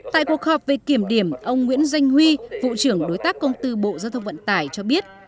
tại cuộc họp về kiểm điểm ông nguyễn doanh huy vụ trưởng đối tác công tư bộ giao thông vận tải cho biết